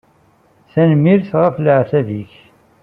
Tanemmirt ɣef leɛtab-ik.